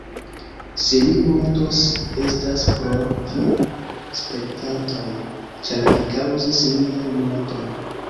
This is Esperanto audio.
Se mi mortos, estas pro vi spektantoj, ĉar vi kaŭzis mian morton.